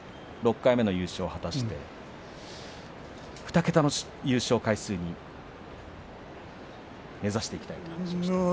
６回目の優勝を果たして２桁の優勝回数を目指していきたいと話していました。